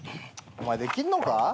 お前できんのか？